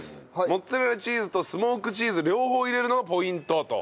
モッツァレラチーズとスモークチーズ両方入れるのがポイントと。